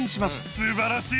すばらしい！